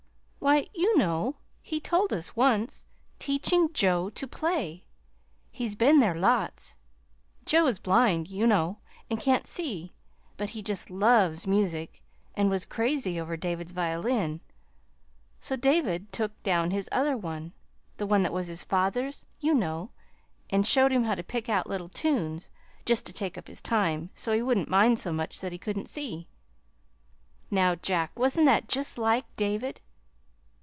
"Why, you know, he told us once, teaching Joe to play. He's been there lots. Joe is blind, you know, and can't see, but he just loves music, and was crazy over David's violin; so David took down his other one the one that was his father's, you know and showed him how to pick out little tunes, just to take up his time so he wouldn't mind so much that he couldn't see. Now, Jack, wasn't that just like David?